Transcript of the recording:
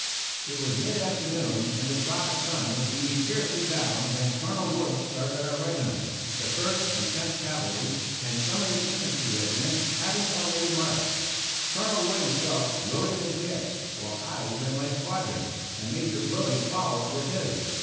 It was mid afternoon and the tropic sun was beating fiercely down when Colonel Wood started our regiment the First and Tenth Cavalry and some of the infantry regiments having already marched. Colonel Wood himself rode in advance, while I led my squadron, and Major Brodie followed with his.